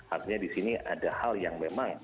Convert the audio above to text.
artinya di sini ada hal yang memang